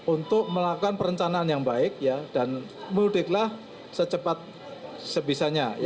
untuk melakukan perencanaan yang baik dan mudiklah secepat sebisanya